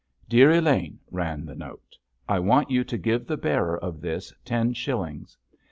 DEAR ELAINE, ran the note, _I want you to give the bearer of this ten shillings.